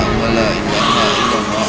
sampai jumpa lagi